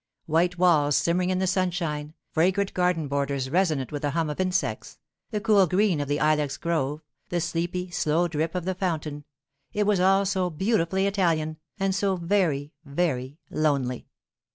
White walls simmering in the sunshine, fragrant garden borders resonant with the hum of insects, the cool green of the ilex grove, the sleepy, slow drip of the fountain—it was all so beautifully Italian, and so very, very lonely!